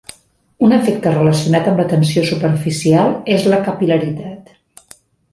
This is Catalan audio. Un efecte relacionat amb la tensió superficial és la capil·laritat.